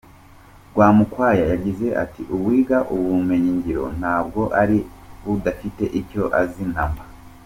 Rwamukwaya yagize ati “Uwiga ubumenyingiro ntabwo ari udafite icyo azi namba .